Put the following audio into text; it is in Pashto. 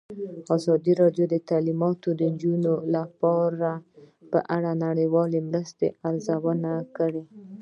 ازادي راډیو د تعلیمات د نجونو لپاره په اړه د نړیوالو مرستو ارزونه کړې.